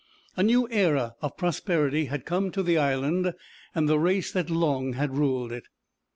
A new era of prosperity had come to the Island and the race that long had ruled it.